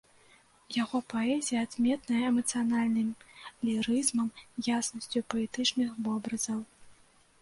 Яго паэзія адметная эмацыянальным лірызмам, яснасцю паэтычных вобразаў.